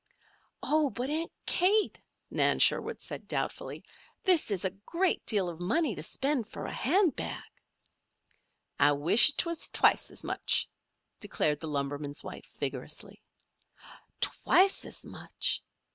"Oh! but Aunt Kate!" Nan Sherwood said doubtfully, "this is a great deal of money to spend for a hand bag." "I wish 'twas twice as much!" declared the lumberman's wife, vigorously. "Twice as much?"